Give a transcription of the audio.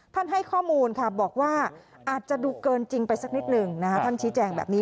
ท่านให้ข้อมูลบอกว่าอาจจะดูเกินจริงไปสักนิดหนึ่งท่านชิตแจกแบบนี้